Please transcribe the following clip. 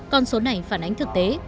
còn số này phản ánh thực tế